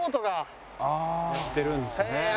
やってるんですね。